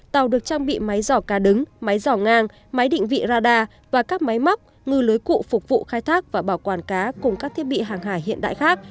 tàu được trang bị máy giỏ cá đứng máy giỏ ngang máy định vị radar và các máy móc ngư lưới cụ phục vụ khai thác và bảo quản cá cùng các thiết bị hàng hải hiện đại khác